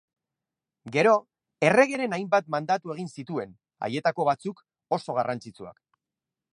Gero, erregeren hainbat mandatu egin zituen, haietako batzuk oso garrantzitsuak.